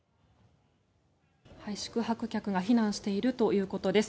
宿泊客が避難しているということです。